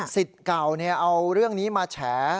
สิทธิ์เก่าเอาเรื่องนี้มาแฉะ